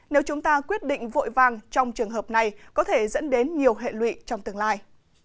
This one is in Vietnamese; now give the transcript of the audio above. nếu chúng ta quyết định vội vàng trong trường hợp này có thể dẫn đến nhiều hệ lụy trong tương lai